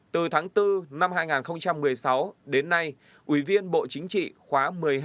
từ tháng bốn năm hai nghìn một mươi sáu đến nay ủy viên bộ chính trị khóa một mươi hai một mươi ba